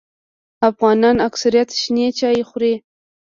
افغانان اکثریت شنې چای خوري